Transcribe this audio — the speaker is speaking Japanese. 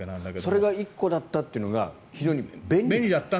それが１個だったというのが非常に便利だった。